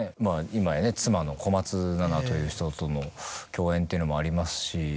今やね妻の小松菜奈という人との共演っていうのもありますし。